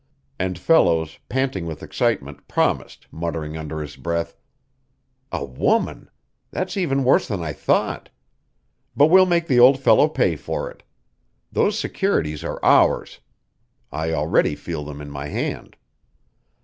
And Fellows, panting with excitement, promised, muttering under his breath: "A woman! That's even worse than I thought. But we'll make the old fellow pay for it. Those securities are ours. I already feel them in my hand."